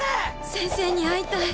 先生に会いたい。